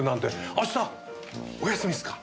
明日お休みですか？